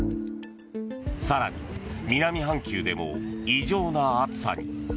更に南半球でも異常な暑さに。